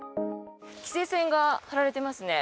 規制線が張られていますね。